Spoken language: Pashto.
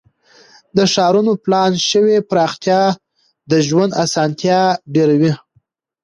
د ښارونو پلان شوې پراختیا د ژوند اسانتیاوې ډیروي.